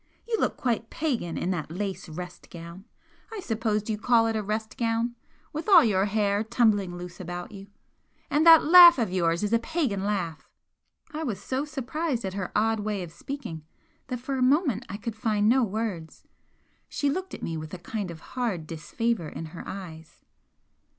"You look quite pagan in that lace rest gown I suppose you call it a restgown! with all your hair tumbling loose about you! And that laugh of yours is a pagan laugh!" I was so surprised at her odd way of speaking that for a moment I could find no words. She looked at me with a kind of hard disfavour in her eyes.